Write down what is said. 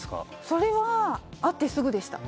それは会ってすぐでした